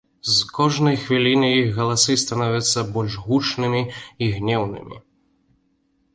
З кожнай хвілінай іх галасы становяцца больш гучнымі і гнеўнымі.